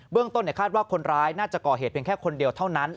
ต้นคาดว่าคนร้ายน่าจะก่อเหตุเพียงแค่คนเดียวเท่านั้น